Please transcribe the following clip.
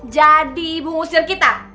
jadi ibu musir kita